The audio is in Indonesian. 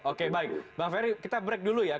oke baik bang ferry kita break dulu ya